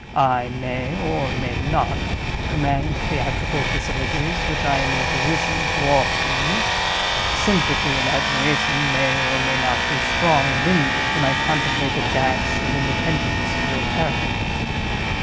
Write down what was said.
I may, or may not, command theatrical facilities, which I am in a position to offer you. Sympathy and admiration may, or may not, be strong within me, when I contemplate the dash and independence of your character.